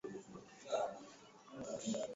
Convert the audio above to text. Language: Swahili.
aa umekuwa ukitazama kwa karibu sana namna